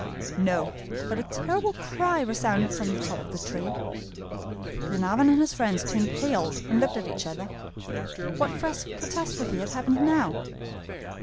No; but a terrible cry resounded from the top of the tree. Glenarvan and his friends turned pale and looked at each other. What fresh catastrophe had happened now?